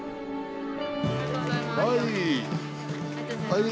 はい。